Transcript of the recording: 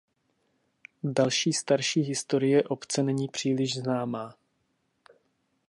Další starší historie obce není příliš známá.